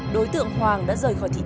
đối tượng hoàng đã rời khỏi thị trấn